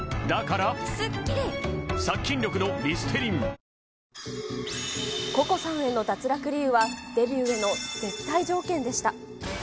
その理由は、ココさんへの脱落理由は、デビューへの絶対条件でした。